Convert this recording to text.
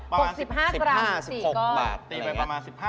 ประมาณ๑๖ก้อนประมาณ๑๕ก้อน